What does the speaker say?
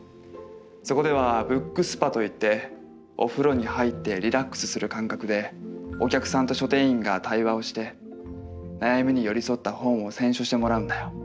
そこではブックスパといってお風呂に入ってリラックスする感覚でお客さんと書店員が対話をして悩みに寄り添った本を選書してもらうんだよ。